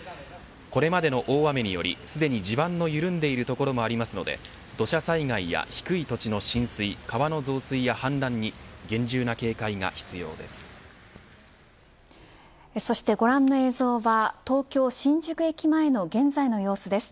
これまでの大雨によりすでに地盤の緩んでいる所もありますので土砂災害や低い土地の浸水川の増水やはん濫に厳重な警戒が必要です。